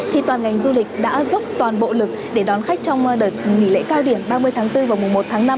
thì toàn ngành du lịch đã dốc toàn bộ lực để đón khách trong đợt nghỉ lễ cao điểm ba mươi tháng bốn và mùa một tháng năm